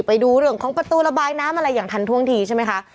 ไปดูเรื่องของประตูระบายน้ำอะไรอย่างทันท่วงทีใช่ไหมคะ